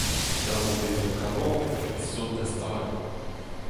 Dav bezañ kalonek pe sot da stagañ…